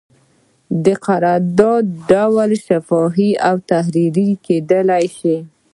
د قرارداد ډول شفاهي او تحریري کیدی شي.